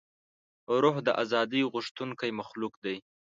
روح د ازادۍ غوښتونکی مخلوق دی.